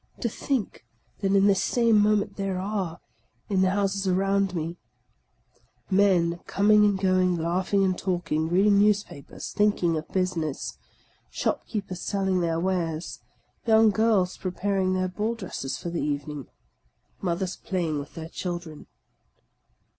To think that in this same moment there are, in the houses around me, men coming and going, laughing and talking, reading newspapers, thinking of business; shopkeepers selling their wares, young girls preparing their ball dresses for the evening; mothe" playing with their children